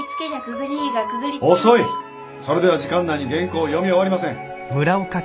それでは時間内に原稿を読み終わりません。